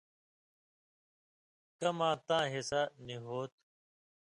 کماں تاں حِصہ نی ہو تُھو،